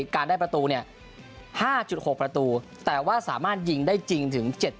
การได้ประตู๕๖ประตูแต่ว่าสามารถยิงได้จริงถึง๗ประตู